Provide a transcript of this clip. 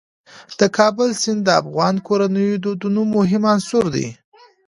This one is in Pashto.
د کابل سیند د افغان کورنیو د دودونو مهم عنصر دی.